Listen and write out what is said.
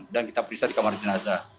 dan kita periksa di kamar jenazah